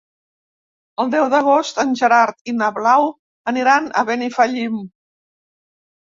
El deu d'agost en Gerard i na Blau aniran a Benifallim.